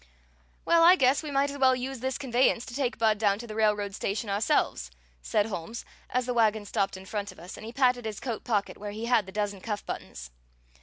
"Well, I guess we might as well use this conveyance to take Budd down to the railroad station ourselves," said Holmes, as the wagon stopped in front of us, and he patted his coat pocket where he had the dozen cuff buttons.